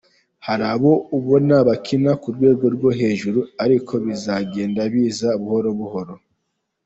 Hari abo ubona bakina ku rwego rwo hejuru ariko bizagenda biza buhoro buhoro.